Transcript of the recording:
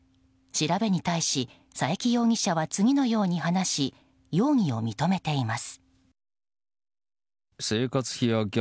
調べに対し、佐伯容疑者は次のように話し容疑を認めています。